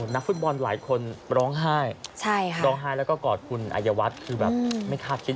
นักฟุตบอลหลายคนร้องไห้ร้องไห้แล้วก็กอดคุณอายวัฒน์คือแบบไม่คาดคิด